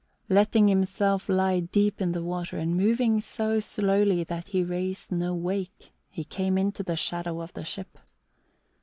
Letting himself lie deep in the water and moving so slowly that he raised no wake, he came into the shadow of the ship.